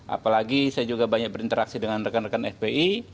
apalagi saya juga banyak berinteraksi dengan rekan rekan fpi